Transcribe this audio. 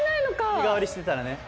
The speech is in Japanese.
みがわりしてたらね。